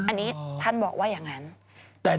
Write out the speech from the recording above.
อันนี้ท่านบอกว่าอย่างนั้น